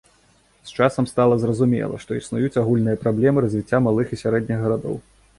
З часам стала зразумела, што існуюць агульныя праблемы развіцця малых і сярэдніх гарадоў.